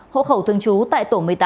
hộ khẩu thường trú tại tổ một mươi tám